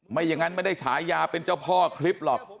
ไม่อย่างนั้นไม่ได้ฉายาเป็นเจ้าพ่อคลิปหรอก